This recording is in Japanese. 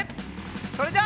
それじゃあ。